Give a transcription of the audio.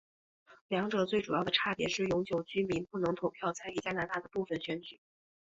两者最主要的差别是永久居民不能投票参与加拿大的部分选举。